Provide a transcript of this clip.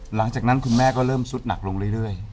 หลังจากนั้นคุณแม่ก็เริ่มสุดหนักลงเรื่อย